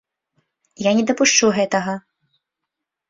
Я не дапушчу гэтага!